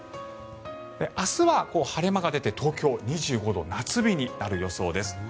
明日は晴れ間が出て東京、２５度夏日になる予想です。